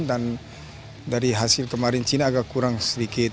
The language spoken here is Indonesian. dan dari hasil kemarin cina agak kurang sedikit